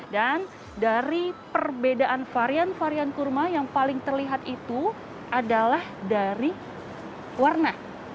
dan dari perbedaan varian varian kurma yang paling terlihat itu adalah dari warna